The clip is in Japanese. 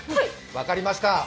分かりました。